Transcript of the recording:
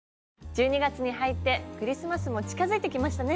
１２月に入ってクリスマスも近づいてきましたね。